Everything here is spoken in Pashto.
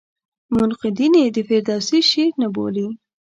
منقدین یې د فردوسي شعر نه بولي.